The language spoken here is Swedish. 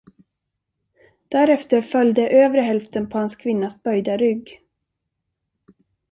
Därefter följde övre hälften på hans kvinnas böjda rygg.